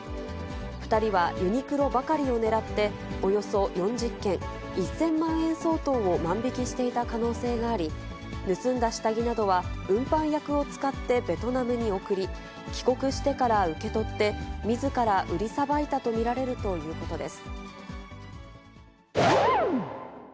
２人はユニクロばかりを狙って、およそ４０件、１０００万円相当を万引きしていた可能性があり、盗んだ下着などは運搬役を使ってベトナムに送り、帰国してから受け取って、みずから売りさばいたと見られるということです。